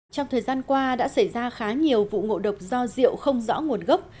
trong thời gian qua đã xảy ra khá nhiều vụ ngộ độc do rượu không rõ nguồn gốc